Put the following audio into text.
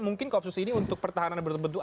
mungkin koopsus ini untuk pertahanan berbentuk bentuk